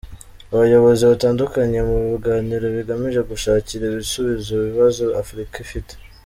Abayobozi batandukanye mu biganiro bigamije gushakira ibisubizo ibibazo Afurika ifite.